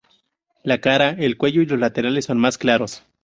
La cara, el cuello y los laterales son más claros.